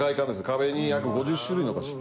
壁に約５０種類のお菓子。